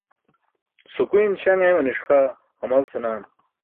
Sukuyn śaṅ eemani̇ṣ xaa hamal senaan.